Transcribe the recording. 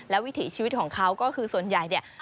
วิถีชีวิตของเขาก็คือส่วนใหญ่เนี่ย